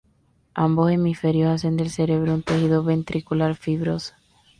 Ambos hemisferios hacen del cerebro un tejido ventricular fibroso.